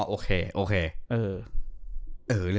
อ๋อโอเคโอเค